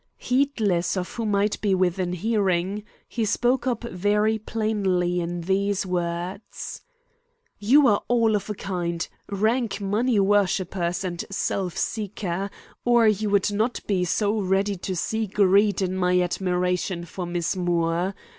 Heedless of who might be within hearing, he spoke up very plainly in these words: "You are all of a kind, rank money worshipers and self seeker, or you would not be so ready to see greed in my admiration for Miss Moore.